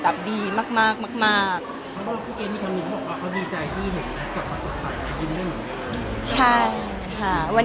เขาบอกพี่เกดมีคำนี้เขาบอกว่าเขาดีใจที่เห็นแมทกับความสดใสและยิ้มได้หนึ่ง